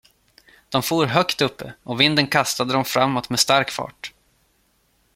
De for högt uppe, och vinden kastade dem framåt med stark fart.